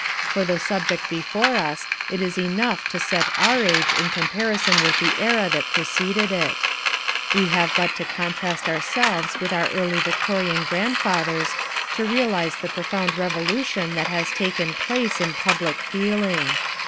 For the subject before us it is enough to set our age in comparison with the era that preceded it. We have but to contrast ourselves with our early Victorian grandfathers to realize the profound revolution that has taken place in public feeling.